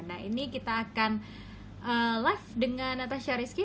nah ini kita akan live dengan natasha rizky